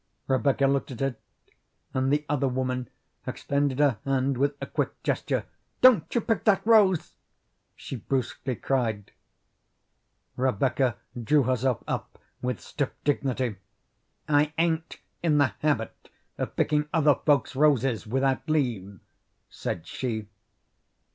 Rebecca looked at it, and the other woman extended her hand with a quick gesture. "Don't you pick that rose!" she brusquely cried. Rebecca drew herself up with stiff dignity. "I ain't in the habit of picking other folks' roses without leave," said she.